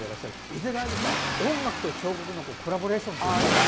いずれは音楽と彫刻のコラボレーションというか。